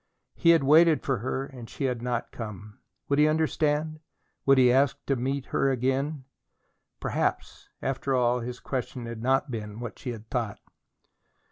He had waited for her and she had not come. Would he understand? Would he ask her to meet him again? Perhaps, after all, his question had not been what she had thought.